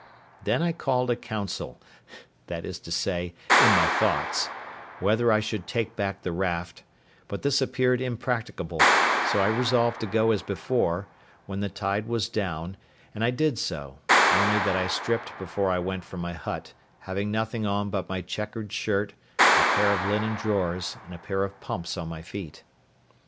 Then I called a council—that is to say in my thoughts—whether I should take back the raft; but this appeared impracticable: so I resolved to go as before, when the tide was down; and I did so, only that I stripped before I went from my hut, having nothing on but my chequered shirt, a pair of linen drawers, and a pair of pumps on my feet.